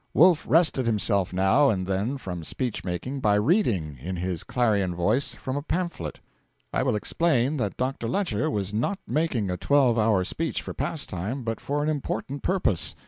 Wolf rested himself now and then from speech making by reading, in his clarion voice, from a pamphlet. I will explain that Dr. Lecher was not making a twelve hour speech for pastime, but for an important purpose.